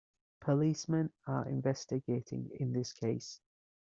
Policemen are investigating in this case.